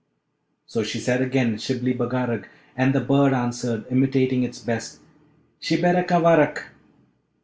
So she said again, 'Shibli Bagarag.' And the bird answered, imitating its best, 'Shibberacavarack.'